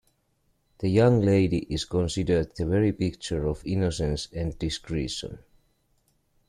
The young lady is considered the very picture of innocence and discretion.